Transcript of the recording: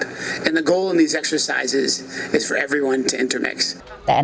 dan tujuan dalam latihan ini adalah untuk semua orang untuk berhubungan